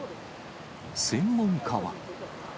専門家は。